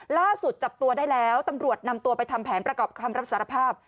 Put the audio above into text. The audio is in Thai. ล่าสุดจับตัวได้แล้วตำรวจนำตัวไปทำแผนประกอบคำรับสารภาพ